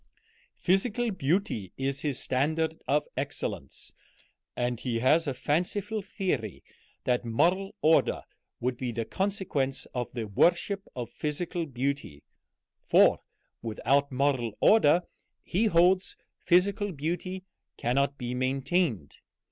Physical beauty is his standard of excellence, and he has a fanciful theory that moral order would be the consequence of the worship of physical beauty; for without moral order he holds physical beauty cannot be maintained.